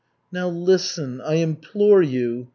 "Now, listen, I implore you.